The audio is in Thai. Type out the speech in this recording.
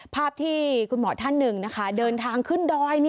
ภาพที่คุณหมอท่านหนึ่งนะคะเดินทางขึ้นดอย